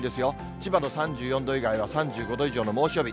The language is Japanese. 千葉の３５度以上以外は３５度以上の猛暑日。